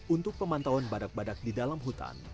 untuk pemantauan badak badak di dalam hutan